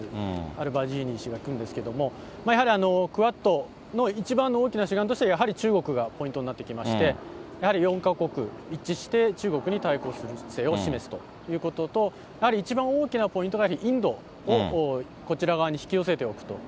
アルバジーニ氏が来るんですけれども、やはりクアッドの一番の大きな主眼としては、やはり中国がポイントになってきまして、やはり４か国一致して中国に対抗する姿勢を示すということと、やはり一番大きなポイントが、インドをこちら側に引き寄せておくと。